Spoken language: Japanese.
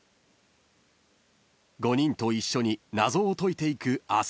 ［５人と一緒に謎を解いていく朝晴］